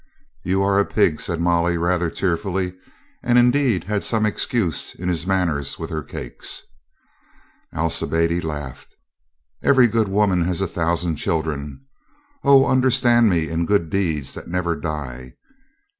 "You are a pig," said Molly rather tearfully, and indeed had some excuse in his manners with her cakes. Alcibiade laughed. "Every good woman has a thousand children. O, understand me — in good 343 344 COLONEL GREATHEART deeds that never die.